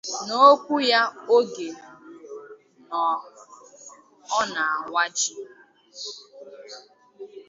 N'okwu ya oge ọ na awa Ji